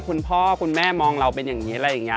คุณพ่อคุณแม่มองเราเป็นอย่างนี้